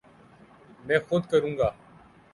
میں خود کروں گا